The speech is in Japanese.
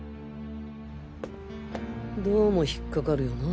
どうも引っかかるよな